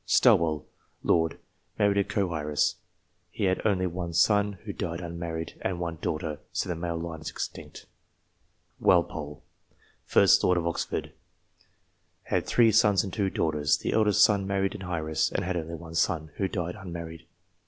Stowell, Lord. Married a co heiress. He had only one son, who died unmarried, and one daughter ; so the male line is extinct. Walpole, 1st Earl of Orford. Had three sons and two daughters. The eldest son married an heiress^ and had only K 130 ENGLISH PEERAGES, one son, who died unmarried.